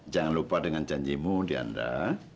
jangan lupa dengan janjimu dianra